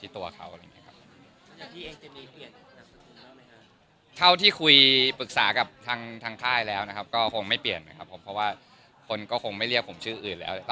เท่าที่คุยปรึกษากับทางข้ายก็คงไม่เปลี่ยนนะครับพอว่าคนก็คงไม่เรียกผมชื่ออื่นแล้ว